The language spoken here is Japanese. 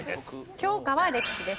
教科は歴史です。